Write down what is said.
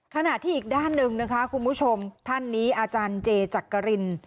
ขณะที่อีกด้านหนึ่งนะคะคุณผู้ชมท่านนี้อาจารย์เจจักริน